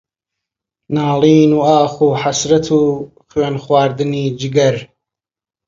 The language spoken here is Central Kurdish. ناڵین و ئاخ و حەسرەت و خوێنخواردنی جگەر